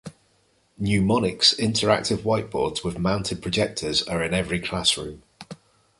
Numonic's interactive whiteboards with mounted projectors are in every classroom.